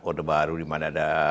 orde baru dimana ada